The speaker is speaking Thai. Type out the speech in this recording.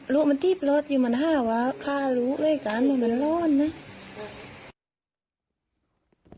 รู้มันทีบรอดอยู่มัน๕วาทฆ่ารู้ด้วยกันมันก็ร้อนนะ